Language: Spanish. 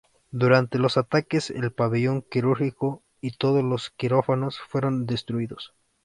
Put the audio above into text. Durante los ataques, el pabellón quirúrgico y todos los quirófanos fueron destruidos.